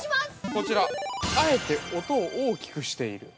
◆こちらあえて音を大きくしている。